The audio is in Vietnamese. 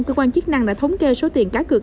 cơ quan chức năng đã thống kê số tiền cá cược